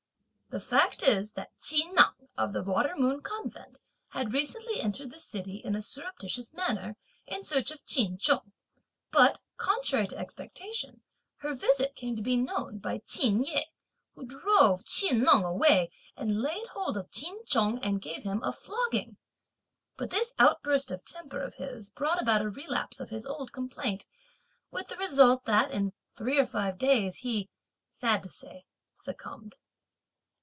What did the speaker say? The fact is that Chih Neng, of the Water Moon Convent, had recently entered the city in a surreptitious manner in search of Ch'in Chung; but, contrary to expectation, her visit came to be known by Ch'in Yeh, who drove Chih Neng away and laid hold of Ch'in Chung and gave him a flogging. But this outburst of temper of his brought about a relapse of his old complaint, with the result that in three or five days, he, sad to say, succumbed.